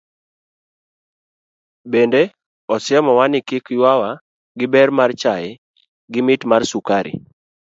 Bedo osiemo wa ni kik yuawa gi ber mar chai gi mit mar sukari.